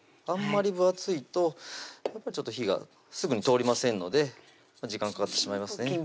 あんまり分厚いとやっぱり火がすぐに通りませんので時間かかってしまいますね